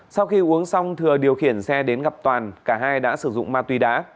sau khi uống xong thừa điều khiển xe đến gặp toàn cả hai đã sử dụng ma túy đá